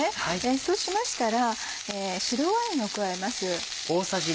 そうしましたら白ワインを加えます。